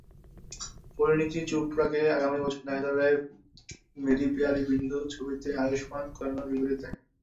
পরিণীতি চোপড়াকে আগামী বছর দেখা যাবে মেরি পেয়ারি বিন্দু ছবিতে আয়ুষ্মান খুড়ানার বিপরীতে।